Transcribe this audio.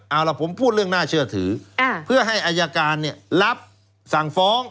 เอาล่ะผมพูดเรื่องน่าเชื่อถือเพื่อให้อายการรับสั่งฟ้อง